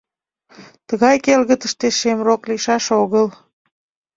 Тыгай келгытыште шемрок лийшаш огыл!